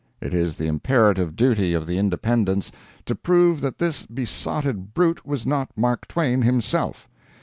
It is the imperative duty of the Independents to prove that this besotted brute was not Mark Twain himself.